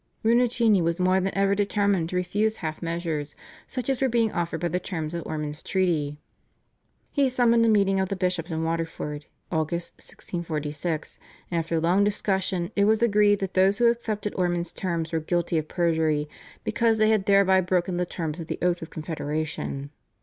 Rinuccini was more than ever determined to refuse half measures, such as were being offered by the terms of Ormond's treaty. He summoned a meeting of the bishops in Waterford (Aug. 1646), and after long discussion it was agreed that those who accepted Ormond's terms were guilty of perjury, because they had thereby broken the terms of the oath of confederation.